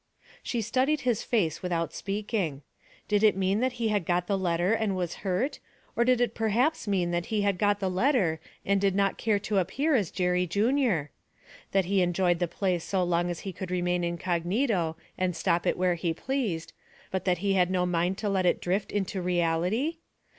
She studied his face without speaking. Did it mean that he had got the letter and was hurt, or did it perhaps mean that he had got the letter and did not care to appear as Jerry Junior? That he enjoyed the play so long as he could remain incognito and stop it where he pleased, but that he had no mind to let it drift into reality?